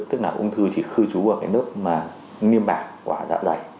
tức là ung thư chỉ khơi trú vào cái nớp niêm mạc của đạ dày